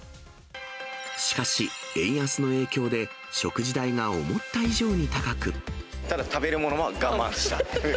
しかし、円安の影響で、ただ、食べるものは我慢した。